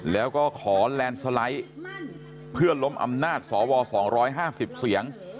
แล้วก็ขอแลนด์สไลด์เพื่อล้มอำนาจสว๒๕๐เสียง